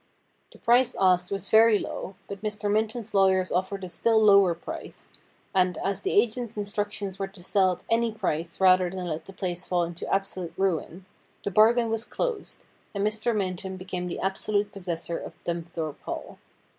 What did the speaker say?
The price asked was very low. but Mr. Minton 's lawyers offered a still lower price, and, as the agents' instructions were to sell at any price rather than let the place fall into absolute ruin, the bargain was closed, and Mr. Minton became the absolute possessor of Dumthorpe Hall.